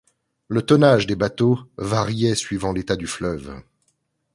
Le tonnage des bateaux variait suivant l'état du fleuve.